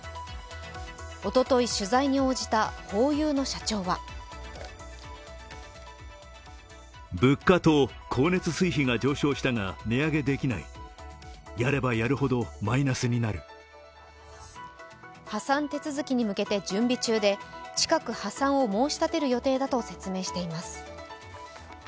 おととい取材に応じたホーユーの社長は破産手続きに向けて準備中で近く、破産を申し立てる予定だと説明しています。